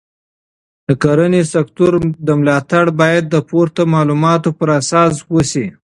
د کرنې سکتور ملاتړ باید د پورته معلوماتو پر اساس وشي.